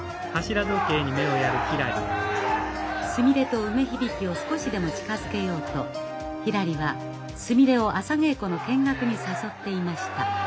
すみれと梅響を少しでも近づけようとひらりはすみれを朝稽古の見学に誘っていました。